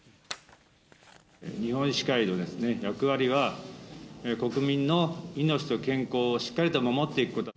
日本医師会の役割は、国民の命と健康をしっかりと守っていくこと。